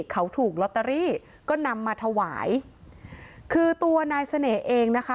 เขาถูกลอตเตอรี่ก็นำมาถวายคือตัวนายเสน่ห์เองนะคะ